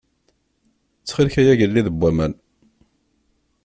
Txil-k ay Agellid n waman.